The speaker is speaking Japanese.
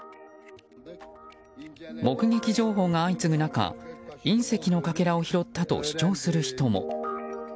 目撃情報が相次ぐ中、隕石のかけらを拾ったと主張する人も。